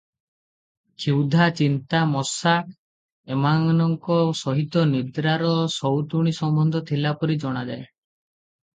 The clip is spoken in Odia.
କ୍ଷୁଧା, ଚିନ୍ତା, ମଶା ଏମାନଙ୍କ ସହିତ ନିଦ୍ରାର ସଉତୁଣୀ ସମ୍ବନ୍ଧ ଥିଲାପରି ଜଣାଯାଏ ।